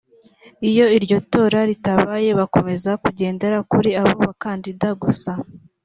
iyo iryo tora ritabaye bakomeza kugendera kuri abo bakandida gusa